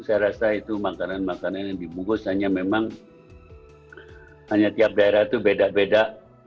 saya rasa itu makanan makanan yang dibungkus hanya memang hanya tiap daerah itu beda beda